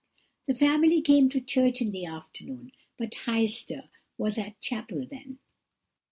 "The family came to church in the afternoon, but Heister was at chapel then.